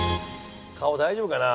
顔大丈夫かな？